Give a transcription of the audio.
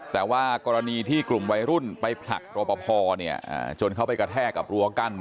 แต่ว่ากรณีที่กลุ่มวัยรุ่นไปผลักรอปภจนเขาไปกระแทกกับรั้วกั้น